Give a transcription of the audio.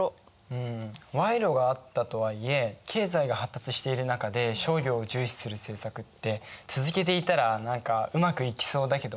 うん賄賂があったとはいえ経済が発達している中で商業を重視する政策って続けていたら何かうまくいきそうだけどね。